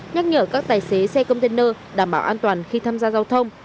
nhắc nhở các tài xế xe container đảm bảo an toàn khi tham gia giao thông